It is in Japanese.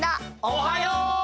おはよう！